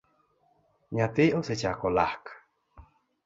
Nyathi osechako lak